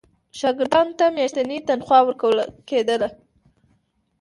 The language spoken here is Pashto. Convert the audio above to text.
شاګردانو ته میاشتنی تنخوا ورکول کېدله.